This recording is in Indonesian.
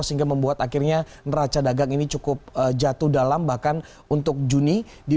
sehingga membuat akhirnya neraca dagang ini cukup jatuh dalam bahkan untuk juni